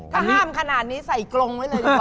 ถ้าห้ามขนาดนี้ใส่กรงไว้เลยดีกว่า